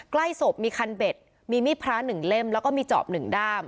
ใกล้สบมีคันเบ็ดมีมิดพระหนึ่งเล่มแล้วก็มีจอบหนึ่งด้าม